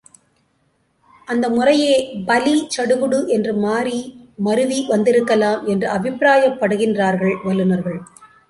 அந்த முறையே பலி சடுகுடு என்று மாறி, மருவி வந்திருக்கலாம் என்று அபிப்பிராயப்படுகின்றார்கள் வல்லுநர்கள்.